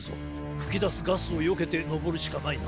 ふきだすガスをよけてのぼるしかないな。